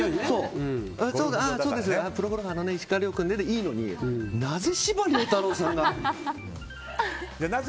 プロゴルファーの石川遼君ねでいいのになぜ司馬遼太郎さんがって。